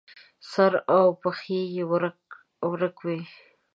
سر او پښې یې ورک وي.